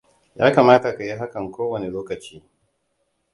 Ya kamata ka yi hakan ko wane lokaci?